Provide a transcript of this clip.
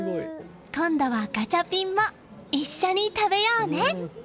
今度はガチャピンも一緒に食べようね！